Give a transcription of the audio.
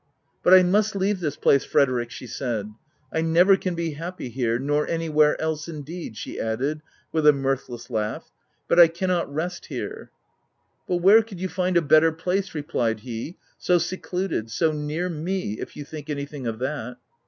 " But I must leave this place, Frederic/' she said —" I never can be happy here, — nor any where else, indeed," she added, with a mirth less laugh, —" but I cannot rest here." VOL I. L 218 THE TENANT u But where could you find a better place ?" replied he, —<( so secluded — so near me, if you think any thing of that."